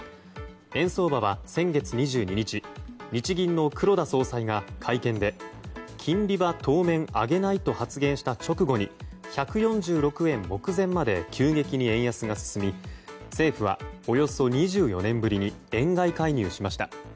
円相場は先月２２日日銀の黒田総裁が会見で金利は当面上げないと発言した直後に１４６円目前まで急激に円安が進み政府は、およそ２４年ぶりに円買い介入しました。